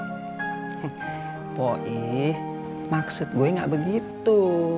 maksud gua kalau lu berpenampilan lebih alim sekarang kayak begini nih ye